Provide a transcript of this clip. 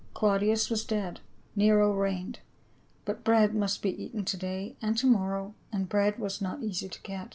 Claudius was dead ; Nero reigned ; but bread must be eaten to day and to morrow, and bread was not easy to get.